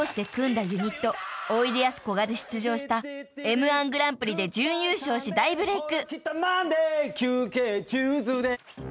ユニットおいでやすこがで出場したＭ−１グランプリで準優勝し大ブレーク］